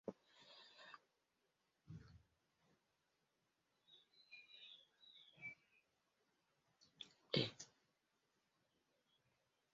Kuvu zinatokea pia kwenye mwili kama magonjwa.